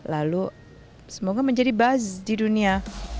lalu semoga menjadi buzz di dunia